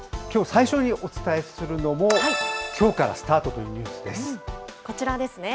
きょう最初にお伝えするのも、きょうからスタートというニュースです。